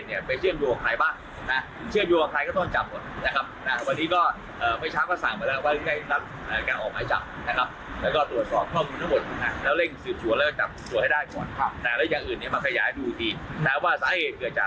แล้วเร่งสืบสวนจับทุกส่วนให้ได้ก่อนและอย่างอื่นมาขยายดูดีนะว่าสาเหตุเกิดจากอะไรแล้วละเอียวห้อจะไปฝ่ายป้าย